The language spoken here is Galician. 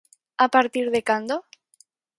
A partir de cando?